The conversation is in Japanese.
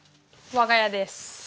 我が家です。